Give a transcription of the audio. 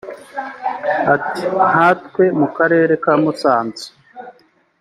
Ati“ Nka twe mu karere ka Musanze